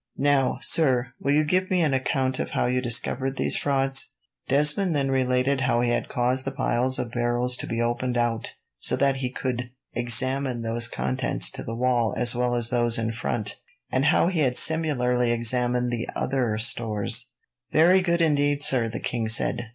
"Now, sir, will you give me an account of how you discovered these frauds?" Desmond then related how he had caused the piles of barrels to be opened out, so that he could examine those next to the wall as well as those in front; and how he had similarly examined the other stores. "Very good, indeed, sir," the king said.